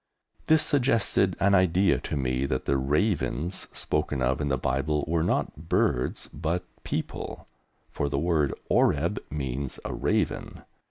This suggested an idea to me that the "ravens" spoken of in the Bible were not birds but people, for the word "Oreb" means a raven.